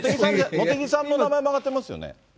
茂木さんの名前も挙がってますよね。